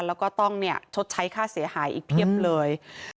แล้วก็ต้องชดใช้ค่าเสียหายอีกเพียบเลย